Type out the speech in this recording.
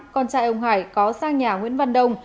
con trai ông hải có sang nhà nguyễn văn đông